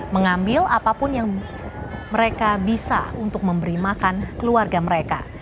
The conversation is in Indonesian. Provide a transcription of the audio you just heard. mengambil apapun yang mereka bisa untuk memberi makan keluarga mereka